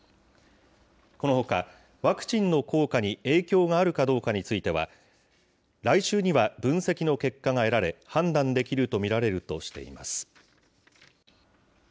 このほか、ワクチンの効果に影響があるかどうかについては、来週には分析の結果が得られ、判断できると見られるとしています。